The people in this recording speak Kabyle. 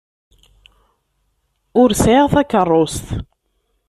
Ur sɛiɣ takeṛṛust.